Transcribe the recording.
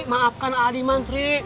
maafkan adiman sri